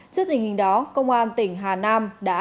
trước tình hình đó công an tỉnh hà nam đã